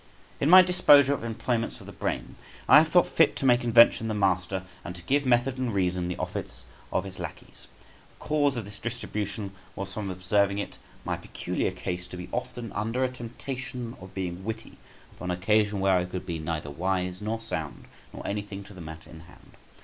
In my disposure of employments of the brain, I have thought fit to make invention the master, and to give method and reason the office of its lackeys. The cause of this distribution was from observing it my peculiar case to be often under a temptation of being witty upon occasion where I could be neither wise nor sound, nor anything to the matter in hand.